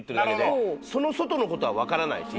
その外のことは分からないし。